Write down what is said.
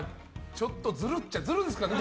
ちょっとずるっちゃずるですかね。